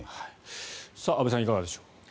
安部さん、いかがですか？